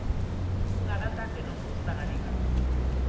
Unha data que non gusta na Liga.